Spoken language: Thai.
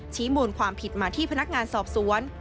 ชี้มูลความผิดมาที่พนักงานสอบสวน